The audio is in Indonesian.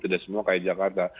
tidak semua kayak jakarta